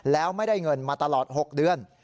แล้วไม่ได้เงินมาตลอด๖เดือน